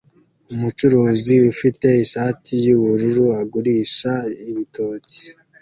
Umucuruzi ufite ishati yubururu agurisha ibitoki